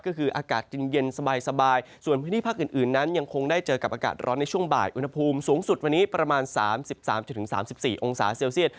ก็คืออากาศเย็นสบายส่วนพื้นที่ภาคอื่นนั้นยังคงได้เจอกับอากาศร้อนในช่วงบ่ายอุณหภูมิสูงสุดวันนี้ประมาณ๓๓๔องศาเซลเซียต